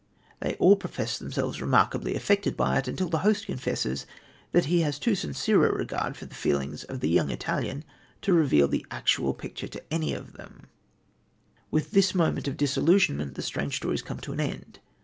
They all profess themselves remarkably affected by it, until the host confesses that he has too sincere a regard for the feelings of the young Italian to reveal the actual picture to any of them; With this moment of disillusionment the strange stories come to an end.